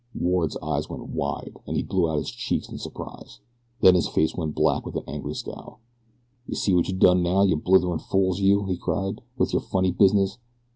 Ward's eyes went wide, and he blew out his cheeks in surprise. Then his face went black with an angry scowl. "You see what you done now, you blitherin' fools, you!" he cried, "with your funny business?